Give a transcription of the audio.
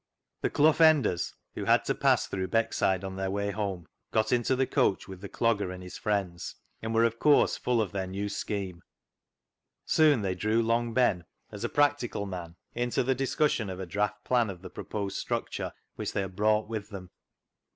The Clough Enders, who had to pass through Beckside on their way home, got into the coach with the Clogger and his friends, and were, of course, full of their new scheme. Soon they 298 CLOG SHOP CHRONICLES drew Long Ben — as a practical man — into the discussion of a draft plan of the proposed struc ture which they had brought with them.